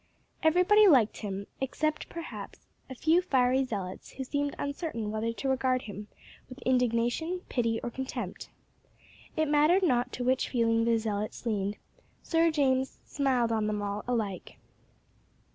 Everybody liked him, except perhaps a few fiery zealots who seemed uncertain whether to regard him with indignation, pity, or contempt. It mattered not to which feeling the zealots leaned, Sir James smiled on them all alike.